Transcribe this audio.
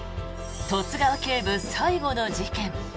十津川警部、最後の事件。